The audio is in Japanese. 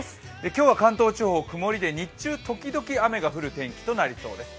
今日は関東地方、曇りで日中時々雨が降る天気となりそうです。